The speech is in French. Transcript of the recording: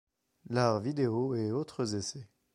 L'art vidéo et autres essais.